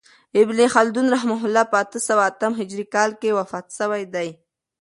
ابن خلدون رحمة الله په اته سوه اتم هجري کال کښي وفات سوی دئ.